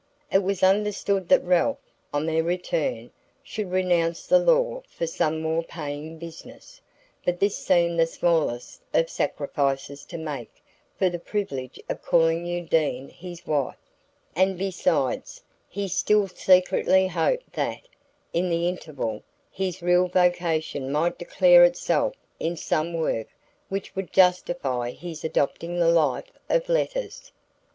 It was understood that Ralph, on their return, should renounce the law for some more paying business; but this seemed the smallest of sacrifices to make for the privilege of calling Undine his wife; and besides, he still secretly hoped that, in the interval, his real vocation might declare itself in some work which would justify his adopting the life of letters.